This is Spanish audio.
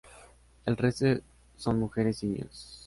El resto son mujeres y niños.